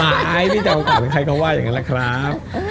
ไม่ไม่ได้โอกาสใครเขาว่าอย่างนั้นแหละครับ